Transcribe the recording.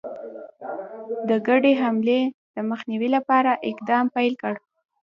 د ګډي حملې د مخنیوي لپاره اقدام پیل کړ.